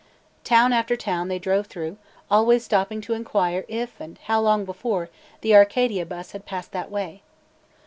Town after town they drove through, always stopping to inquire if and how long before, the Arcadia bus had passed that way.